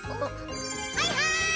はいはい！